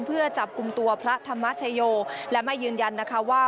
เพื่อจับกลุ่มตัวพระธรรมชโยและไม่ยืนยันนะคะว่า